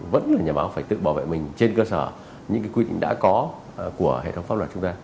vẫn là nhà báo phải tự bảo vệ mình trên cơ sở những quy định đã có của hệ thống pháp luật chúng ta